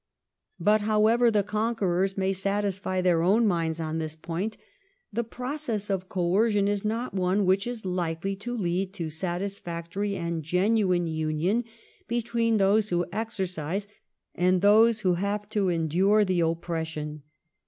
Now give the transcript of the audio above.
But however the conquerors may satisfy their own minds on this point, the process of coercion is not one which is likely to lead to satisfactory and genuine union between those who exercise and those who have to endure the oppression.